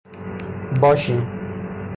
باشین